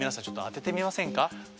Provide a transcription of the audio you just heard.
ちょっと当ててみませんか。